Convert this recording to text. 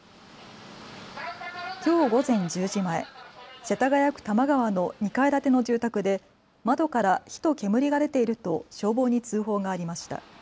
きょう午前１０時前、世田谷区玉川の２階建ての住宅で窓から火と煙が出ていると消防に通報がありました。